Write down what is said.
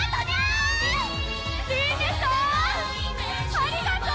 ありがとう！